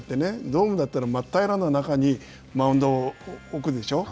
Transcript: ドームだったら、真っ平らの中にマウンドを置くでしょう。